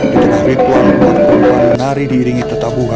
di tengah ritual warga tengger menari diiringi tetabuhan